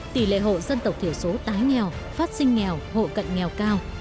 tỷ lệ hộ dân tộc thiểu số tái nghèo phát sinh nghèo hộ cận nghèo cao